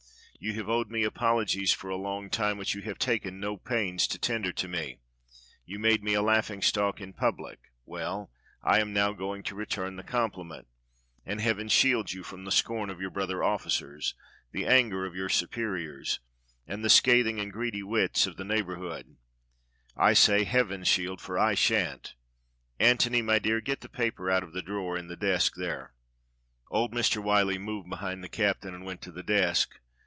You have owed me apologies for a long time which you have taken no pains to tender to me. You made me a laughing stock in public — well, I am now going to re turn the compliment, and heaven shield you from the scorn of your brother officers, the anger of your supe SCYLLA OR CHARYBDIS 275 riors, and the scathing and greedy wits of the neighbour hood. I say, heaven shield, for I shan't. Antony, my dear, get the paper out of the drawer in the desk there." Old Mr. Wliyllie moved behind the captain and went to the desk.